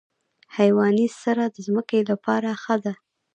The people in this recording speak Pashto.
حیواني سره د ځمکې لپاره ښه ده.